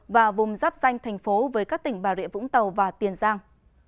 và vùng giáp danh thành phố với các tỉnh bà rịa vũng tàu và tiền giang